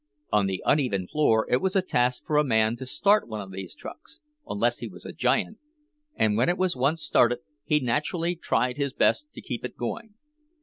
On the uneven floor it was a task for a man to start one of these trucks, unless he was a giant; and when it was once started he naturally tried his best to keep it going.